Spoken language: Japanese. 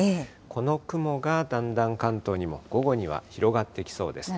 この雲がだんだん関東にも午後には広がってきそうです。